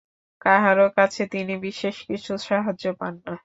কাহারো কাছে তিনি বিশেষ কিছু সাহায্যও পান না।